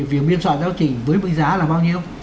việc biên soạn giáo trình với bức giá là bao nhiêu